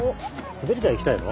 滑り台行きたいの？